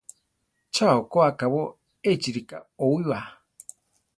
¡Cha okó akábo échi rika oíwaa!